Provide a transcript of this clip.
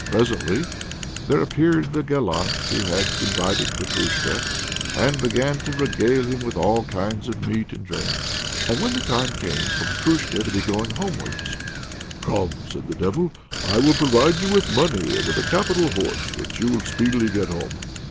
Presently there appeared the gallant who had invited Petrusha, and began to regale him with all kinds of meat and drink. And when the time came for Petrusha to be going homewards, "Come," said the Devil, "I will provide you with money and with a capital horse, so that you will speedily get home."